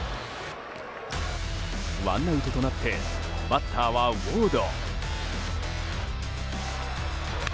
ワンアウトとなってバッターはウォード。